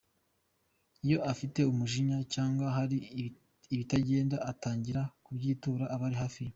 Iyo afite umujinya cyangwa hari ibitagenda, atangira kubyitura abari hafi ye.